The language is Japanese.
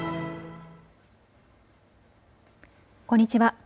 こんにちは。